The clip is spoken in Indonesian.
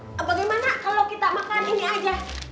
nah bagaimana kalau kita makan ini aja